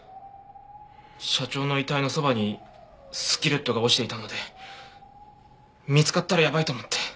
社長の遺体のそばにスキレットが落ちていたので見つかったらやばいと思って。